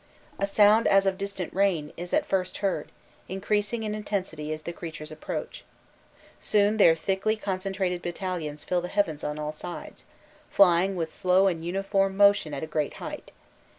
A sound as of distant rain is at first heard, increasing in intensity as the creatures approach. Soon their thickly concentrated battalions fill the heavens on all sides, flying with slow and uniform motion at a great height.